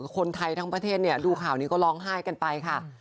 คนไทยทั้งประเทศดูข่าวนี้ก็ร้องไห้กันไปค่ะ